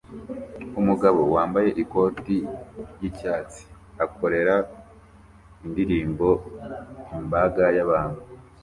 Umugabo wambaye ikoti ryicyatsi akorera indirimbo imbaga yabantu